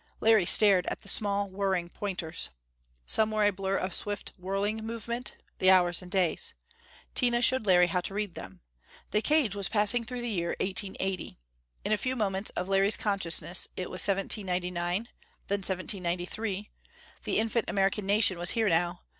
Larry stared at the small whirring pointers. Some were a blur of swift whirling movement the hours and days. Tina showed Larry how to read them. The cage was passing through the year 1880. In a few moments of Larry's consciousness it was 1799. Then 1793. The infant American nation was here now.